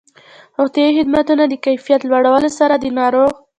روغتیایي خدماتو د کيفيت لوړولو سره د ناروغ